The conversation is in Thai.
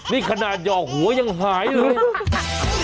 นี่ขนาดหยอกหัวยังหายเลย